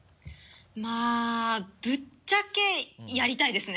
まぁぶっちゃけやりたいですね。